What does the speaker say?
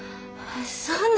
そんな。